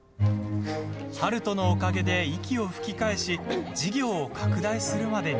悠人のおかげで息を吹き返し事業を拡大するまでに。